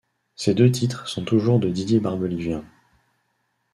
Ces deux titres sont toujours de Didier Barbelivien.